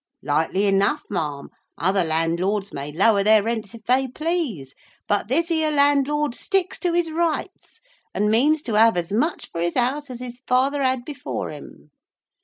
'—'Likely enough, ma'am; other landlords may lower their rents if they please; but this here landlord sticks to his rights, and means to have as much for his house as his father had before him!